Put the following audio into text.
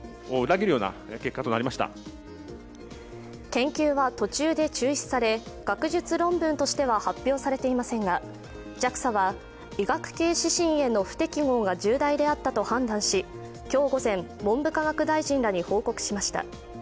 研究は途中で中止され、学術論文としては発表されていませんが、ＪＡＸＡは医学系指針への不適合が重大であったと判断し、今日午前、文部科学大臣らに報告しました。